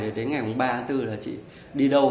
đến ngày ba bốn là chị đi đâu